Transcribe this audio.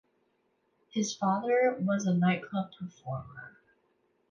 His father was a nightclub performer.